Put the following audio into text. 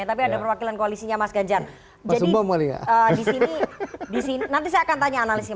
tapi ada perwakilan koalisinya mas ganjar jadi disini disini nanti saya akan tanya analisisnya